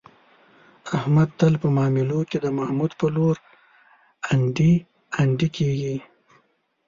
احمد تل په معاملو کې، د محمود په لور انډي انډي کېږي.